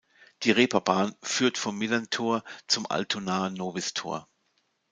Die Reeperbahn führt vom Millerntor zum Altonaer Nobistor.